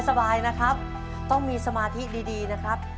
สบายนะครับต้องมีสมาธิดีนะครับ